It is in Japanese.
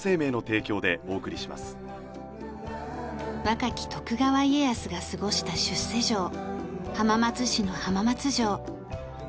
若き徳川家康が過ごした出世城浜松市の浜松城。